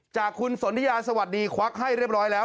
จากคุณสนทิยาสวัสดีควักให้เรียบร้อยแล้ว